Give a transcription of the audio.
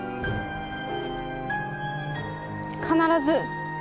必ず。